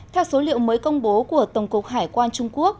theo số liệu mới công bố của tổng cục hải quan trung quốc